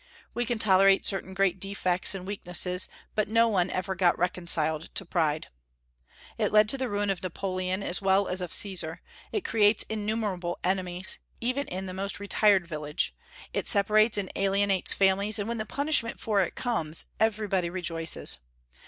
We can tolerate certain great defects and weaknesses, but no one ever got reconciled to pride. It led to the ruin of Napoleon, as well as of Caesar; it creates innumerable enemies, even in the most retired village; it separates and alienates families; and when the punishment for it comes, everybody rejoices.